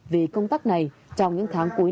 về công tác này trong những tháng cuối